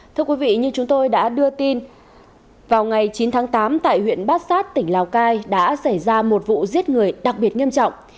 thưa quý vị như chúng tôi đã đưa tin vào ngày chín tháng tám tại huyện bát sát tỉnh lào cai đã xảy ra một vụ giết người đặc biệt nghiêm trọng